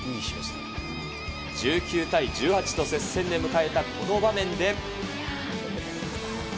１９対１８と接戦で迎えたこの場面で。